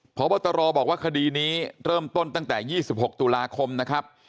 พระบัตรรอบอกว่าคดีนี้เริ่มต้นตั้งแต่ยี่สิบหกตุลาคมนะครับ